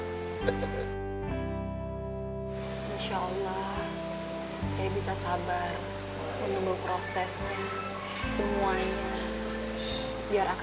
insyaallah saya bisa sabar menunggu prosesnya semuanya